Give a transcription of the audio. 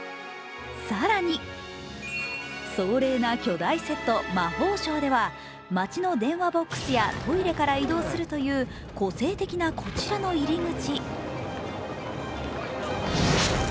更に壮麗な巨大セット・魔法省では待ちの電話ボックスやトイレから移動するという個性的なこちらの入り口。